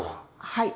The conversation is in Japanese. はい。